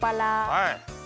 はい。